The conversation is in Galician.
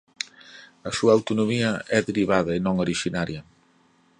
A súa autonomía é derivada e non orixinaria.